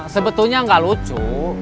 sebetulnya gak lucu